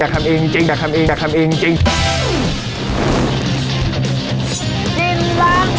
ว้อยักษ์คำอีกจริงยักษ์คำอีกยักษ์คำอีกจริง